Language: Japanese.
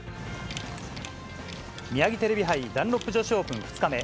ミヤギテレビ杯ダンロップ女子オープン２日目。